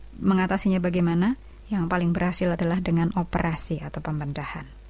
dan mau tahu mengatasinya bagaimana yang paling berhasil adalah dengan operasi atau pembendahan